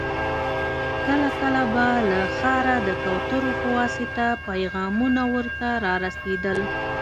کله کله به له ښاره د کوترو په واسطه پيغامونه ور ته را رسېدل.